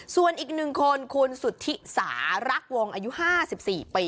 ส่วนอีก๑คนคุณสุธิสารักวงอายุ๕๔ปี